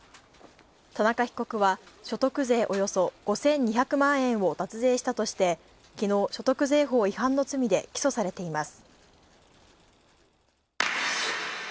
田中被告は、所得税およそ５２００万円を脱税したとして、きのう、所得税法違反の罪で起訴されています。